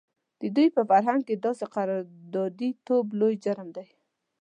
د دوی په فرهنګ کې داسې قراردادي توب لوی جرم دی.